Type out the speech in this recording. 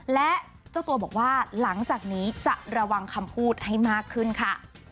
และเจ้าตัวบอกว่าหลังจากนี้จะระวังคำพูดให้มากขึ้นค่ะ